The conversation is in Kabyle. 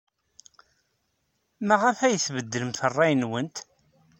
Maɣef ay tbeddlemt ṛṛay-nwent?